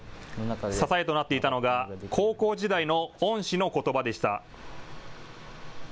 支えとなっていたのが高校時代の恩師のことばでした。